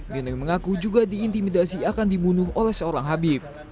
neneng mengaku juga diintimidasi akan dibunuh oleh seorang habib